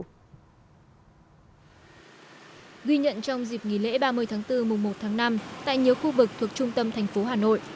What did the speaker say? ghi nhận trong dịp nghỉ lễ ba mươi tháng bốn mùa một tháng năm tại nhiều khu vực thuộc trung tâm thành phố hà nội